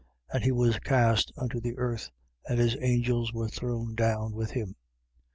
And he was cast unto the earth: and his angels were thrown down with him. 12:10.